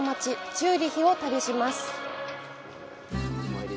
チューリヒを旅します。